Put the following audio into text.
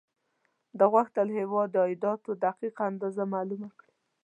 ده غوښتل د هېواد د عایداتو دقیق اندازه معلومه کړي.